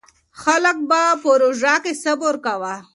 خلک به په روژه کې صبر کاوه.